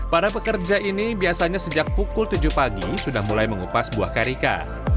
para pekerja ini biasanya sejak pukul tujuh pagi sudah mulai mengupas buah karika